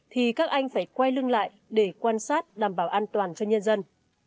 thì các anh phải quay lưng lại để quan sát đảm bảo an toàn cho nhân dân